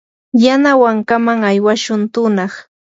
yanawankaman aywashun tunaq.